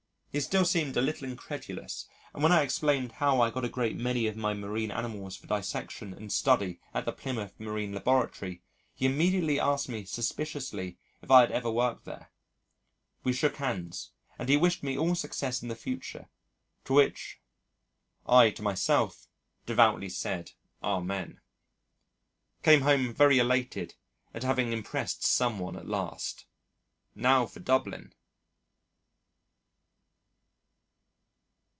He still seemed a little incredulous, and when I explained how I got a great many of my marine animals for dissection and study at the Plymouth Marine Laboratory, he immediately asked me suspiciously if I had ever worked there. We shook hands, and he wished me all success in the future, to which I to myself devoutly said Amen. Came home very elated at having impressed some one at last. Now for Dublin.